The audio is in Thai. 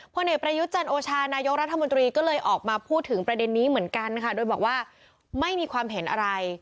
เอกประยุทธ์จันโอชานายกรัฐมนตรีก็เลยออกมาพูดถึงประเด็นนี้เหมือนกันค่ะโดยบอกว่าไม่มีความเห็นอะไร